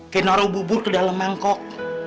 kayak naruh bubur ke dalam mangkok